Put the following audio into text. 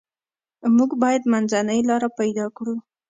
موږ باید منځنۍ لار پیدا کړو.